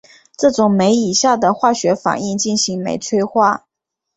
这种酶以下的化学反应进行酶催化。